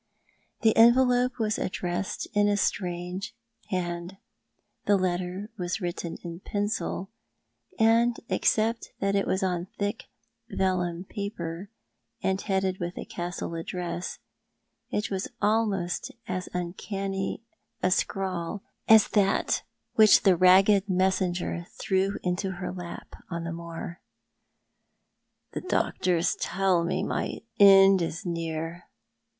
The envelope was addressed in a strange hand, the letter was written in pencil, and, except that it was on thick vellum paper headed with the Castle address, it was almost as uncanny a scrawl as that which the ragged messenger threw into her lap on the moor. " The doctors tell me my end is near.